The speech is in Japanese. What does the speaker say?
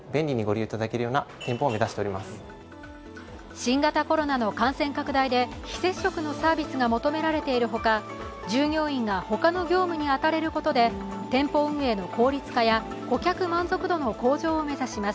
新型コロナの感染拡大で非接触のサービスが求められているほか従業員が他の業務に当たれることで店舗運営の効率化や顧客満足度の向上を目指します。